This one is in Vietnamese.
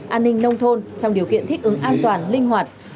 an ninh nông thôn trong điều kiện thích ứng an toàn linh hoạt